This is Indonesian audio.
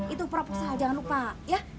itu proposal jangan lupa ya